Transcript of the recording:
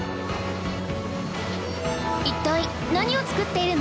一体何を作っているの？